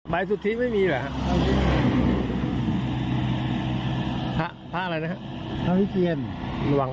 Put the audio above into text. ไม่ต้องแต่อาจมันจะไปได้ยัง